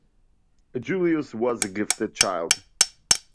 Julius was a gifted child.